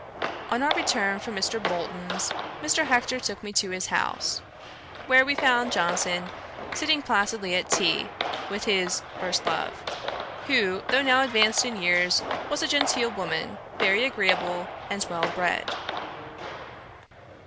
On our return from Mr. Bolton's, Mr. Hector took me to his house, where we found Johnson sitting placidly at tea, with his first love; who, though now advanced in years, was a genteel woman, very agreeable, and well bred.